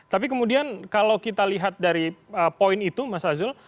tapi kemudian kalau kita lihat dari poin itu mas azul